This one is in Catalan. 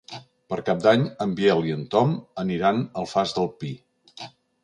Per Cap d'Any en Biel i en Tom aniran a l'Alfàs del Pi.